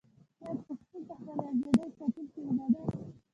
آیا پښتون د خپلې ازادۍ ساتونکی نه دی؟